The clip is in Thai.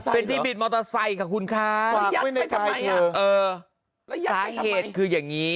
เป็นที่บิดมอเตอร์ไซค์เหรอ